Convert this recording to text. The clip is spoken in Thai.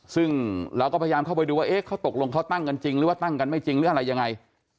ซึ่งเราก็พยายามเข้าไปดูว่าเอ๊ะเขาตกลงเขาตั้งกันจริงหรือว่าตั้งกันไม่จริงหรืออะไรยังไง